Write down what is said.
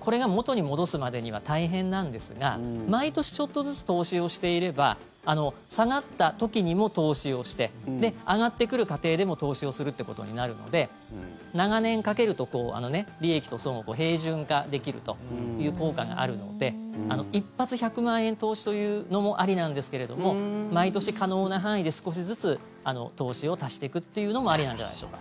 これが元に戻すまでには大変なんですが毎年ちょっとずつ投資をしていれば下がった時にも投資をして上がってくる過程でも投資をするってことになるので長年かけると利益と損を平準化できるという効果があるので一発１００万円投資というのもありなんですけれども毎年、可能な範囲で少しずつ投資を足していくっていうのもありなんじゃないでしょうか。